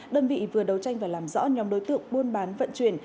đơn vị vừa đấu tranh và làm rõ nhóm đối tượng buôn bán vận chuyển